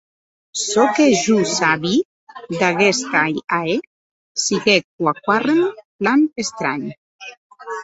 Çò que jo sabí d’aguest ahèr siguec quauquarren plan estranh.